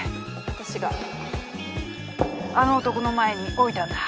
私があの男の前に置いたんだ。